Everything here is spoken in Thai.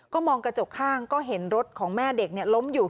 มองกระจกข้างก็เห็นรถของแม่เด็กล้มอยู่